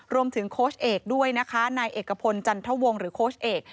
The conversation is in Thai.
โค้ชเอกด้วยนะคะนายเอกพลจันทวงหรือโค้ชเอก